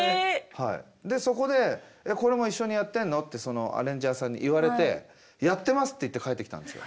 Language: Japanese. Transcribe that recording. でそこで「えっこれも一緒にやってんの？」ってそのアレンジャーさんに言われて「やってます」って言って帰ってきたんですよ。